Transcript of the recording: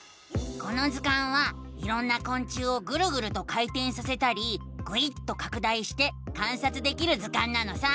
この図鑑はいろんなこん虫をぐるぐると回てんさせたりぐいっとかく大して観察できる図鑑なのさ！